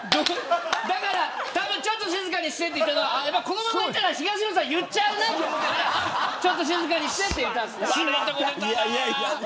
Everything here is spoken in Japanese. だからちょっと静かにしてと言ったのはこのままいったら東野さん言っちゃうなと思って静かにしてって言ったんですね。